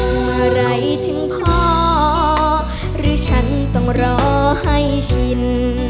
เมื่อไหร่ถึงพอหรือฉันต้องรอให้ชิน